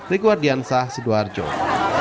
jangan lupa untuk berlangganan